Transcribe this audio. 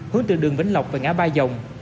hướng từ đường vĩnh lộc và ngã ba dòng